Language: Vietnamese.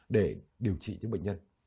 để điều trị những bệnh nhân